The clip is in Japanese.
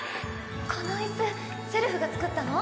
この椅子せるふが作ったの？